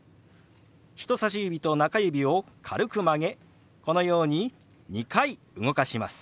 人さし指と中指を軽く曲げこのように２回動かします。